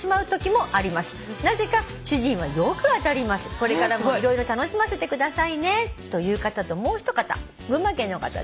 「これからも色々楽しませてくださいね」という方ともうひとかた群馬県の方です。